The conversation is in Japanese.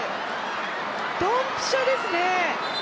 ドンピシャですね！